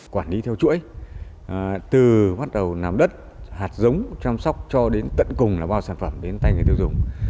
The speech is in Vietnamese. quản lý theo chuỗi từ bắt đầu làm đất hạt giống chăm sóc cho đến tận cùng là bao sản phẩm đến tay người tiêu dùng